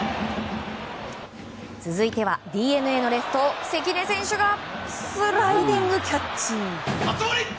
続いてはＤｅＮＡのレフト関根選手がスライディングキャッチ！